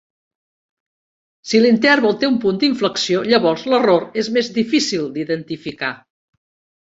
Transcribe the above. Si l'interval té un punt d'inflexió, llavors l'error és més difícil d'identificar.